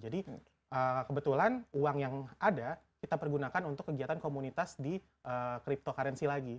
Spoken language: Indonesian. jadi kebetulan uang yang ada kita pergunakan untuk kegiatan komunitas di cryptocurrency lagi